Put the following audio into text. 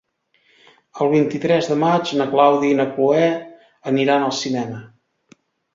El vint-i-tres de maig na Clàudia i na Cloè aniran al cinema.